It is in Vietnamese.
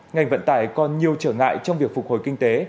ngành vận tải còn nhiều trở ngại trong việc phục hồi kinh tế